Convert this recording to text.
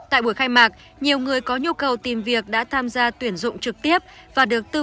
tại buổi khai mạc nhiều người có nhu cầu tìm việc đã tham gia tuyển dụng trực tiếp và được tư